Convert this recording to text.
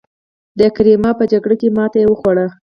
د کریمیا په جګړه کې ماتې وخوړه.